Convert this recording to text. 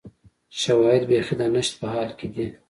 شواهد بیخي د نشت په حال کې دي